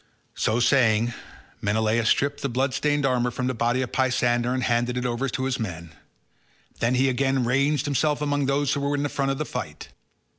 So saying Menelaus stripped the blood stained armour from the body of Pisander, and handed it over to his men; then he again ranged himself among those who were in the front of the fight.